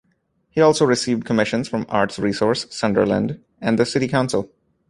He also received commissions from Arts Resource, Sunderland, and the City Council.